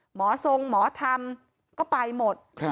หมอทรงหมอธรรมก็ไปหมด